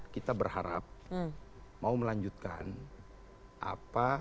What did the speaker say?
kita berharap mau melanjutkan apa